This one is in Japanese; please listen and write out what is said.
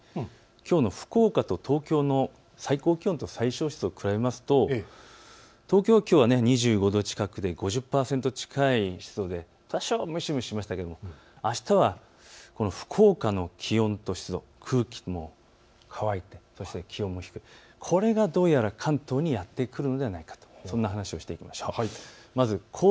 きょうの福岡と東京の最高気温と最小湿度を比べますと東京きょうは２５度近くで５０％近い湿度で多少し蒸し蒸ししましたけど、あしたは福岡の気温と湿度、空気も乾いてそして気温も低い、これがどうやら関東にやって来るのではないかとそんな話をしていきましょう。